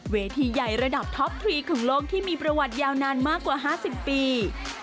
เวทีใหญ่ระดับท็อปทรีของโลกที่มีประวัติยาวนานมากกว่า๕๐ปี